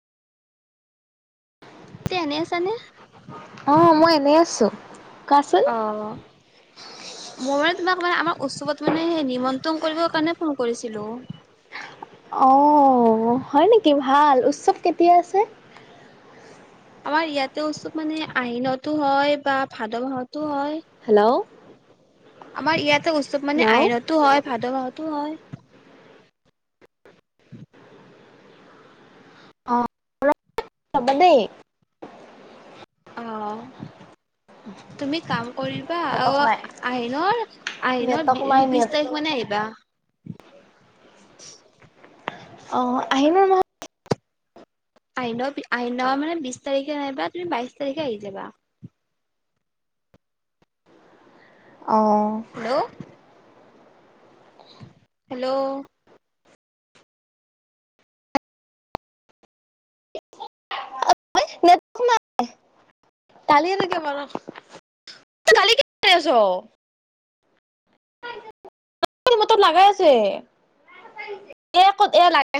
তে এনেই আছেনে? অ', মই এনেই আছোঁ। কোৱাচোন। অ' মই তোমাক মানে আম উৎসৱত মানে সেই নিমন্ত্ৰণ কৰিবৰ কাৰণে ফোন কৰিছিলো অ হয় নেকি ভাল উৎসৱ কেতিয়া আছে আমাৰ ইয়াতে চ মানে আহিনতো হয় বা ভাদ মাহত তটো হয় হেল্ল', আমাৰ ইয়াত এ উৎসৱ মানে হেল্ল'। আইনতো হয় ভাদ মাহতো হয় অ ৰবা দেই অ তুমি কাম কৰিবা অ নেটৱৰ্ক নাই, আহিনৰ আহিনৰ নেটৱৰ্ক নাই নেট বিশ তাৰিখ মানে আহিবা বা [unintelligible] অঁ আহিনৰ মাহত আহিন আহিনৰ মানে বিশ তাৰিখে আহিবা তুমি বাইশ তাৰিখে অঁ হেল্ল' [unintelligible] হেল্ল' কালিটো কি কয় আছ মোৰ টোত লাগাই আছে এ ক'ত এয়া লাগাই